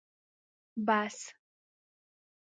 🚍 بس